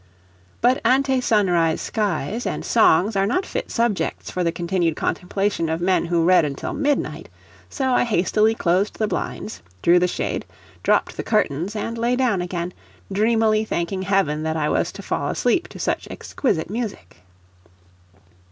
But ante sunrise skies and songs are not fit subjects for the continued contemplation of men who read until midnight; so I hastily closed the blinds, drew the shade, dropped the curtains and lay down again, dreamily thanking heaven that I was to fall asleep to such exquisite music.